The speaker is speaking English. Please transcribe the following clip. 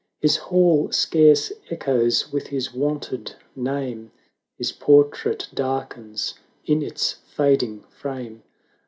His hall scarce echoes with his wonted name. His portrait darkens in its fading frame.